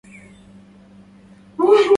لا يستطيع توم أن يقرر فيما إذا كان عليه الذهاب.